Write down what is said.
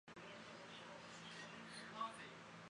柱状上皮容易受雌激素的影响。